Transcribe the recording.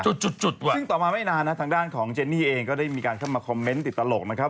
ซึ่งต่อมาไม่นานนะทางด้านของเจนนี่เองก็ได้มีการเข้ามาคอมเมนต์ติดตลกนะครับ